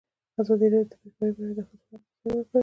ازادي راډیو د بیکاري په اړه د ښځو غږ ته ځای ورکړی.